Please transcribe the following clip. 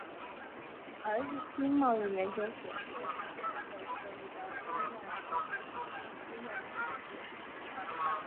而日清贸易研究所是在他死后设立的东亚同文书院的前身。